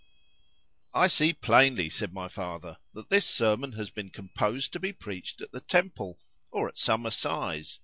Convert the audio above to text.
[I see plainly, said my father, that this sermon has been composed to be preached at the Temple,——or at some Assize.